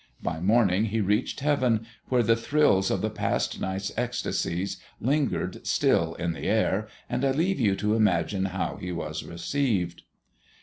By morning he reached heaven, where the thrills of the past night's ecstasies lingered still in the air, and I leave you to imagine how he was received.